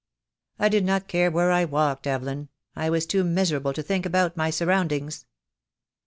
"I did not care where I walked, Evelyn. I was too miserable to think about my surroundings."